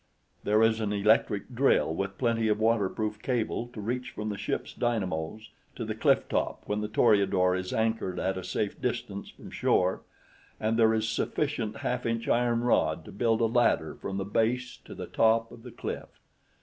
There is an electric drill with plenty of waterproof cable to reach from the ship's dynamos to the cliff top when the Toreador is anchored at a safe distance from shore, and there is sufficient half inch iron rod to build a ladder from the base to the top of the cliff.